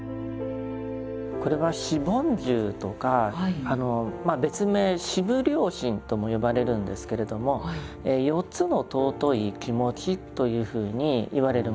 これは「四梵住」とか別名「四無量心」とも呼ばれるんですけれども４つの尊い気持ちというふうにいわれるものです。